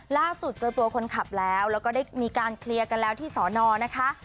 ล่าสุดเจอตัวคนขับแล้วแล้วก็ได้มีการเคลียร์กันแล้วที่สอนอนะคะ